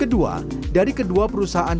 kedua dari kedua perusahaan